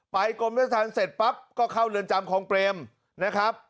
กรมราชธรรมเสร็จปั๊บก็เข้าเรือนจำคลองเปรมนะครับ